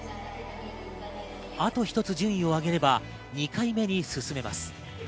あと１つ順位を上げれば２回目に進めます。